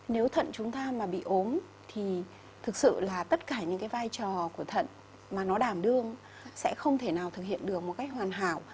nếu thận chúng ta mà bị ốm thì thực sự là tất cả những cái vai trò của thận mà nó đảm đương sẽ không thể nào thực hiện được một cách hoàn hảo